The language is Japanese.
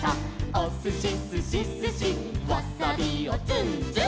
「おすしすしすしわさびをツンツン」